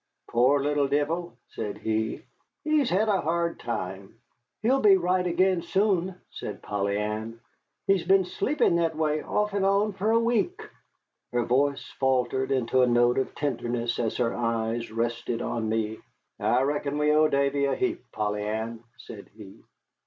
"Pore little deevil," said he, "he's hed a hard time." "He'll be right again soon," said Polly Ann. "He's been sleepin' that way, off and on, fer a week." Her voice faltered into a note of tenderness as her eyes rested on me. "I reckon we owe Davy a heap, Polly Ann," said he.